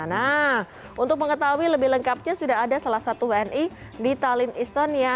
nah untuk mengetahui lebih lengkapnya sudah ada salah satu wni di talin istonia